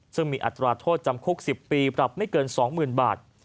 ซึ่งมีอัตราโทษจำคุก๑๐ปีปรับไม่เกิน๒๐๐๐บาท